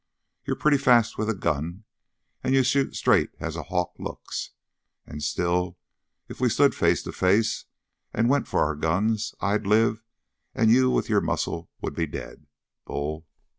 You're pretty fast with a gun, and you shoot straight as a hawk looks. And still, if we stood face to face and went for our guns, I'd live; and you with your muscle would be dead, Bull."